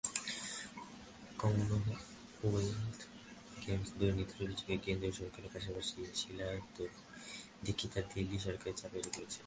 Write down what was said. Commonwealth গেমসে দুর্নীতির অভিযোগে কেন্দ্রীয় সরকারের পাশাপাশি শীলা দীক্ষিতের দিল্লি সরকারও চাপে রয়েছে।